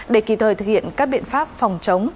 để kịp thời thực hiện các biện pháp phòng chống